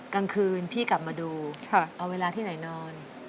กลางคืนพี่กลับมาดูเอาเวลาที่ไหนนอน